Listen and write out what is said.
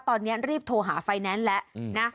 ตอนนี้รีบโทรหาไฟแนนซ์แล้วนะ